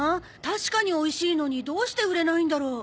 確かにおいしいのにどうして売れないんだろう？